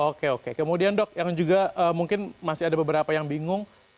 oke oke kemudian dok yang juga mungkin masih ada beberapa yang bingung